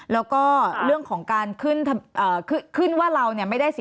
แล้วก็เรื่องของการขึ้นว่าเราไม่ได้สิทธิ์